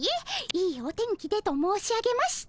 いいお天気でと申し上げました。